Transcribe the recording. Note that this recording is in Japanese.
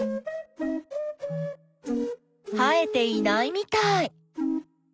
生えていないみたい。